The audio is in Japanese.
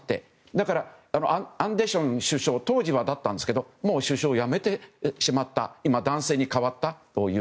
だからアンデション首相は当時は首相だったんですがもう辞めてしまって今、男性に代わったという。